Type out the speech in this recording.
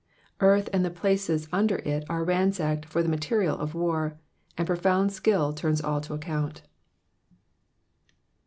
Earth and the places under it are ransacked for the maferid of war, and profound skill turns all to account.